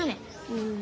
うん。